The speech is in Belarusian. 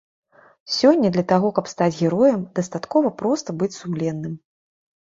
Сёння для таго, каб стаць героем, дастаткова проста быць сумленным.